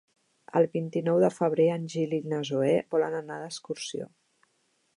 El vint-i-nou de febrer en Gil i na Zoè volen anar d'excursió.